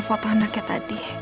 foto anaknya tadi